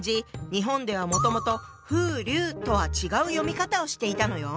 日本ではもともと「ふうりゅう」とは違う読み方をしていたのよ。